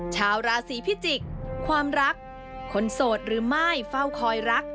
ชาวราศีพิจิกษ์ความรักคนโสดหรือไม่เฝ้าคอยรัก